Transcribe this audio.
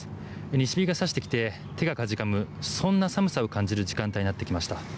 西日が差してきて手がかじかむそんな寒さを感じる時間帯になってきました。